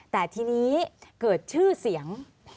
แต่ทีนี้เกิดชื่อเสียง